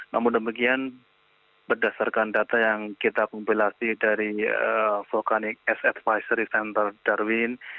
namun demikian berdasarkan data yang kita kumpulasi dari vulkanik as advisory center darwin